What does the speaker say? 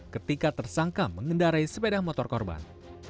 ketika tersangka mengendarai sepeda motor korban